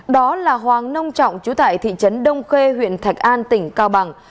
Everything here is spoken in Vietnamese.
đó là hoàng nông trọng chú tại thị trấn đông khê huyện thạch an tỉnh cao bằng